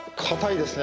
硬いですね。